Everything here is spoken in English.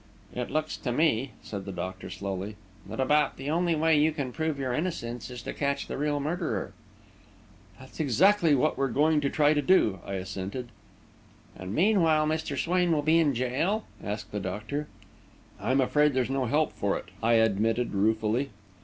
"It looks to me," said the doctor, slowly, "that about the only way you can prove your innocence is to catch the real murderer." "That's exactly what we're going to try to do," I assented. "And meanwhile Mr. Swain will be in jail?" asked the doctor. "I'm afraid there's no help for it," I admitted ruefully.